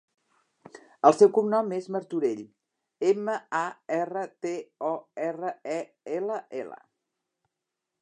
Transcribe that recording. El seu cognom és Martorell: ema, a, erra, te, o, erra, e, ela, ela.